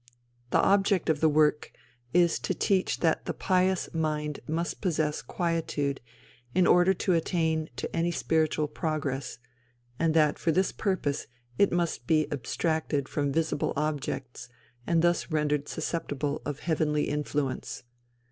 The object of the work is to teach that the pious mind must possess quietude in order to attain to any spiritual progress, and that for this purpose it must be abstracted from visible objects and thus rendered susceptible of heavenly influence.